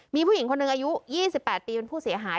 มีผู้หญิงคนหนึ่งอายุ๒๘ปีเป็นผู้เสียหาย